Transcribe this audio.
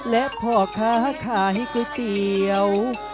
และพ่อค้าขายก๋วยเตี๋ยว